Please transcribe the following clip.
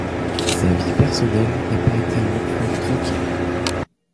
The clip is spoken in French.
Sa vie personnelle n'a pas été un long fleuve tranquille.